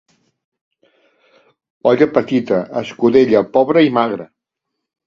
Olla petita, escudella pobra i magra.